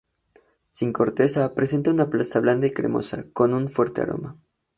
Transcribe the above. Sin corteza, presenta una pasta blanda y cremosa, con un fuerte aroma.